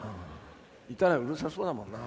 いたらうるさそうだもんな。